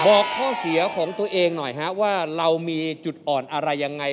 บอกข้อเสียของตัวเองหน่อยฮะว่าเรามีจุดอ่อนอะไรยังไง